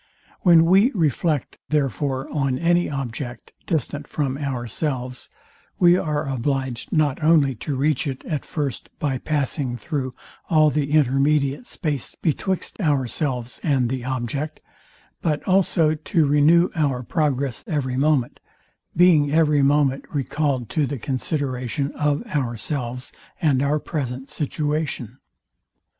When we reflect, therefore, on any object distant from ourselves, we are obliged not only to reach it at first by passing through all the intermediate space betwixt ourselves and the object, but also to renew our progress every moment; being every moment recalled to the consideration of ourselves and our present situation.